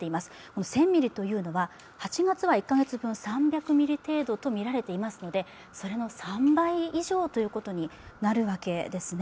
１０００ミリというのは８月は１か月分３００ミリ程度とみられていますのでそれの３倍以上となるわけですね。